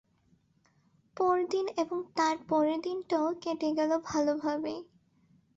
পরদিন এবং তারপরের দিনটাও কেটে গেল ভালোভাবেই।